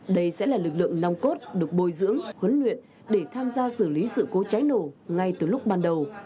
đây sẽ là lực lượng nòng cốt được bồi dưỡng huấn luyện để tham gia xử lý sự cố cháy nổ ngay từ lúc ban đầu